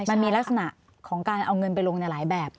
มันมีลักษณะของการเอาเงินไปลงในหลายแบบ